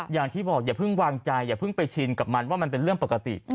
อย่างที่บอกอย่าเพิ่งวางใจอย่าเพิ่งไปชินกับมันว่ามันเป็นเรื่องปกติ